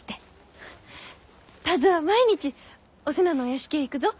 田鶴は毎日お瀬名のお屋敷へ行くぞ。